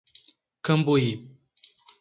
Cambuí